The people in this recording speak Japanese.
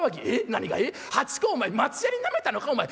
何がえっ八公お前松ヤニなめたのかお前。